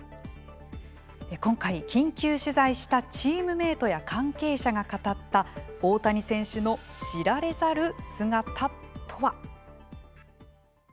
今回、緊急取材したチームメートや関係者が語った大谷選手の知られざる姿とは。